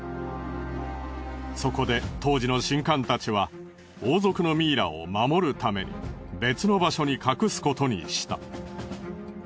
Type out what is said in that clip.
そこで当時の神官たちは王族のミイラを守るために別の場所に隠すことにした。